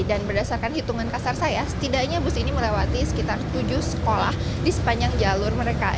dan berdasarkan hitungan kasar saya setidaknya bus ini melewati sekitar tujuh sekolah di sepanjang jalur mereka